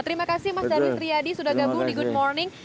terima kasih mas darwi triadi sudah gabung di good morning